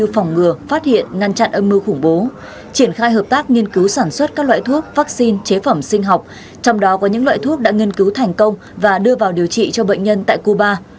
phòng ngừa phát hiện ngăn chặn âm mưu khủng bố triển khai hợp tác nghiên cứu sản xuất các loại thuốc vaccine chế phẩm sinh học trong đó có những loại thuốc đã nghiên cứu thành công và đưa vào điều trị cho bệnh nhân tại cuba